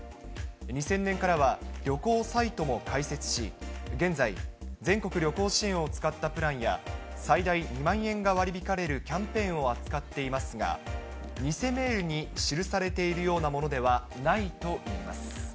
２０００年からは旅行サイトも開設し、現在、全国旅行支援を使ったプランや、最大２万円が割り引かれるキャンペーンを扱っていますが、偽メールに記されているようなものではないといいます。